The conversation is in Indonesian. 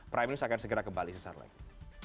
primus akan segera kembali sesuatu lagi